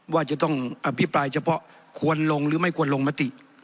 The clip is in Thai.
ว่าจะต้องอภิปรายเฉพาะควรลงหรือไม่ควรลงมติ